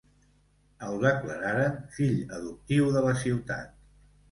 El declararen fill adoptiu de la ciutat.